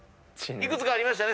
幾つかありましたね。